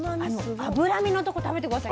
脂身のところ食べて下さい。